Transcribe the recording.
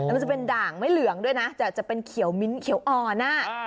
มันจะเป็นด่างไม่เหลืองด้วยนะแต่จะเป็นเขียวมิ้นเขียวอ่อน